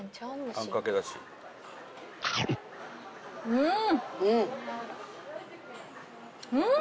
・うん！